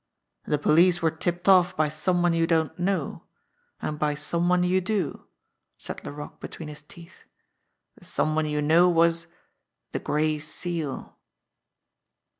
"The police were tipped off by some one you don't know, and by some one you do," said Laroque between his teeth. "The some one you know was the Gray Seal."